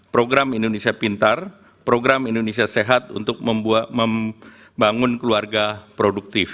program indonesia pintar program indonesia sehat untuk membangun keluarga produktif